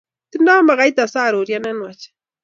Tindoi makaita saruryet ne nwach